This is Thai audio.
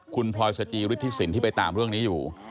คุณพลอยสจิฤทธิสินที่ไปตามเรื่องนี้อยู่